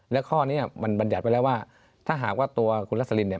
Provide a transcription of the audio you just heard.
และข้อนี้มันบรรยัติไว้แล้วว่าถ้าหากว่าตัวคุณรัสลินเนี่ย